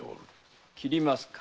斬りますか？